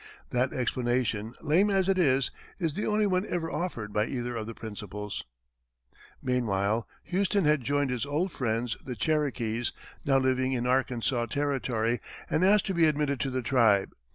That explanation, lame as it is, is the only one ever offered by either of the principals. Meanwhile, Houston had joined his old friends, the Cherokees, now living in Arkansas Territory, and asked to be admitted to the tribe.